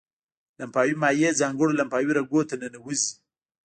لمفاوي مایع ځانګړو لمفاوي رګونو ته ننوزي.